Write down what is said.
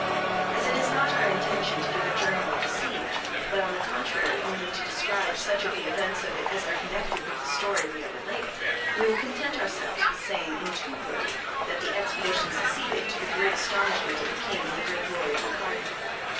As it is not our intention to give a journal of the siege, but on the contrary only to describe such of the events of it as are connected with the story we are relating, we will content ourselves with saying in two words that the expedition succeeded, to the great astonishment of the king and the great glory of the cardinal.